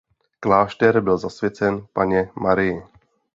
Klášter byl zasvěcen Panně Marii.